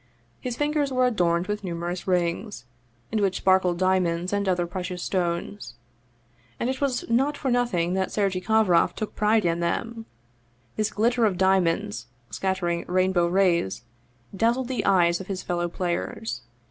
His fingers were adorned with numerous rings, in which sparkled dia monds and other precious stones. And it was not for noth ing that Sergei Kovroff took pride in them! This glitter of diamonds, scattering rainbow rays, dazzled the eyes of his fellow players.